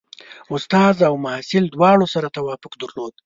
استاد او محصل دواړو سره توافق درلود.